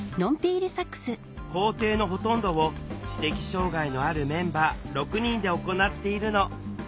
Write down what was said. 工程のほとんどを知的障害のあるメンバー６人で行っているの。